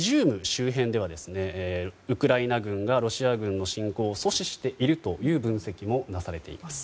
周辺ではウクライナ軍がロシア軍の侵攻を阻止しているという分析もなされています。